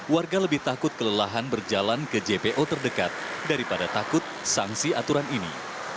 warga lebih takut kelelahan berjalan ke jpo terdekat daripada takut sanksi aturan ini